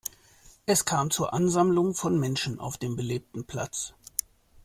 Es kam zur Ansammlung von Menschen auf dem belebten Platz.